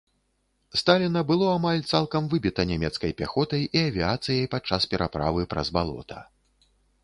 Сталіна, было амаль цалкам выбіта нямецкай пяхотай і авіяцыяй падчас пераправы праз балота.